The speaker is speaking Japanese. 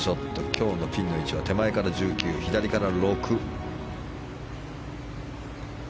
今日のピンの位置は手前から１９、左から６。